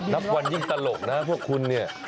นับวันยิ่งตลกนะพวกคุณเนี่ย